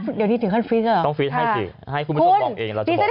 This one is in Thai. อุ๊ยเดี๋ยวนี้ถึงขั้นฟรีสต์ก็เหรอต้องฟรีสต์ให้จริงให้คุณไม่ต้องบอกเองเราจะบอกไม่ได้